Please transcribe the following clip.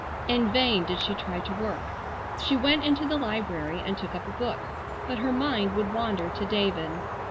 In vain did she try to work. She went into the library and took up a book, but her mind would wander to David.